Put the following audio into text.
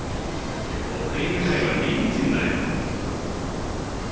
送り迎えはリムジンだよ。